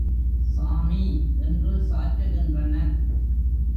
சாமி என்று சாற்றுகின்றனர்.